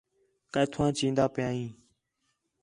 کیتھوں آ چیندا پِیا ہِے